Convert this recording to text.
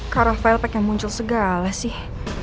ke rafael pengen muncul segala sih